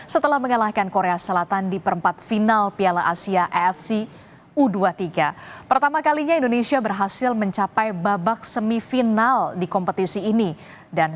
saya ingin berterima kasih kepada para pemain dan para pemimpin